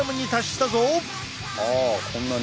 あこんなに！